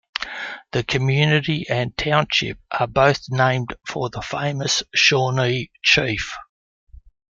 The community and township are both named for the famous Shawnee chief.